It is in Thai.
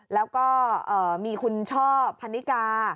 แล้วก็มีคุณช่อพันนิกา